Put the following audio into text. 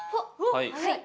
はい。